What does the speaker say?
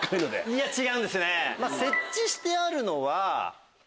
いや違うんですね。